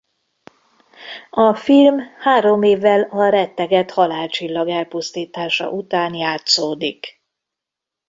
A film három évvel a rettegett Halálcsillag elpusztítása után játszódik.